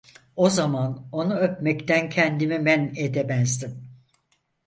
O zaman onu öpmekten kendimi men edemezdim.